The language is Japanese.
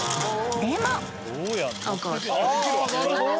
でも］